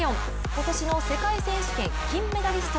今年の世界選手権金メダリスト。